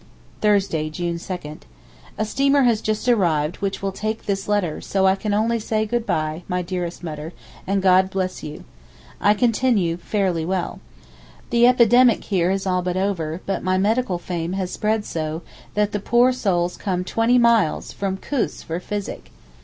Thursday, June 2,—A steamer has just arrived which will take this letter, so I can only say good bye, my dearest Mutter, and God bless you. I continue very fairly well. The epidemic here is all but over; but my medical fame has spread so, that the poor souls come twenty miles (from Koos) for physic.